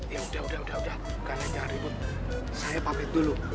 yaudah karena jangan ribut saya papet dulu